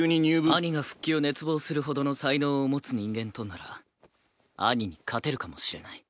兄が復帰を熱望するほどの才能を持つ人間となら兄に勝てるかもしれない。